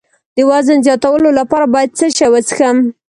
د وزن زیاتولو لپاره باید څه شی وڅښم؟